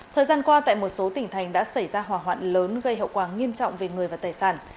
thời gian qua tại một số tỉnh thành đã xảy ra hỏa hoạn lớn gây hậu quả nghiêm trọng về người và tài sản